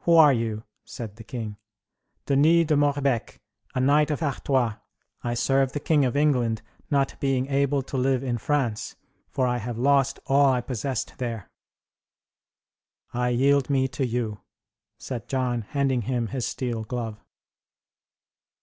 "Who are you?" said the king. "Denis de Morbecque, a knight of Artois; I serve the King of England, not being able to live in France, for I have lost all I possessed there." "I yield me to you," said John, handing him his steel glove.